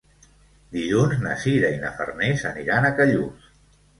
Dilluns na Sira i na Farners aniran a Callús.